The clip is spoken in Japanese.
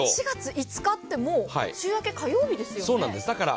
４月５日って週明け火曜日ですよね。